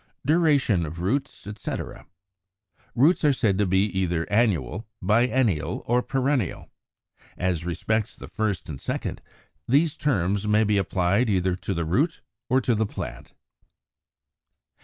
83. =Duration of Roots, etc.= Roots are said to be either annual, biennial, or perennial. As respects the first and second, these terms may be applied either to the root or to the plant.